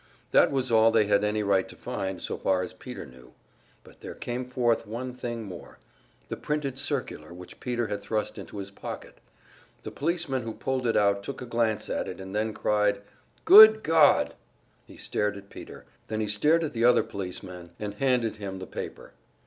That was all they had any right to find, so far as Peter knew. But there came forth one thing more the printed circular which Peter had thrust into his pocket. The policeman who pulled it out took a glance at it, and then cried, "Good God!" He stared at Peter, then he stared at the other policeman and handed him the paper.